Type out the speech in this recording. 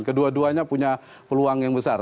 kedua duanya punya peluang yang besar